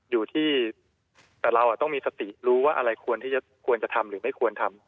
อยู่ที่แต่เราต้องมีสติรู้ว่าอะไรควรที่ควรจะทำหรือไม่ควรทำ